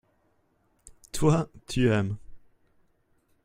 toi, tu aimes.